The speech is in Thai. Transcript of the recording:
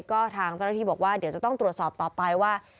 ก็ทางเจ้าหน้าที่บอกว่าเดี๋ยวจะต้องตรวจสอบต่อไปว่า